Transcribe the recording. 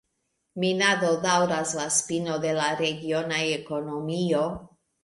Minado daŭras la spino de la regiona ekonomio.